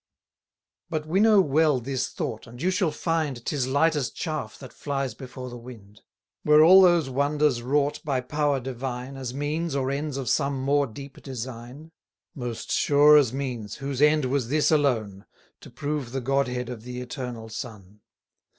But winnow well this thought, and you shall find 'Tis light as chaff that flies before the wind. Were all those wonders wrought by power divine, As means or ends of some more deep design? Most sure as means, whose end was this alone, To prove the Godhead of the Eternal Son.